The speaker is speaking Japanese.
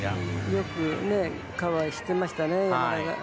よくカバーしてましたね。